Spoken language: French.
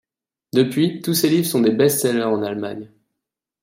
Depuis, tous ses livres sont des best-sellers en Allemagne.